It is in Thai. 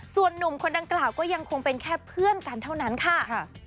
ส่วนหนุ่มคนดังกล่าวก็ยังคงเป็นแค่เพื่อนกันเท่านั้นค่ะ